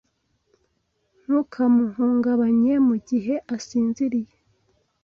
Ntukamuhungabanye mugihe asinziriye.